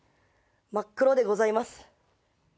真っ黒でございます。